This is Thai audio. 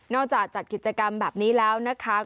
จัดกิจกรรมแบบนี้แล้วนะคะ